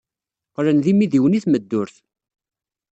Qqlen d imidiwen i tmeddurt.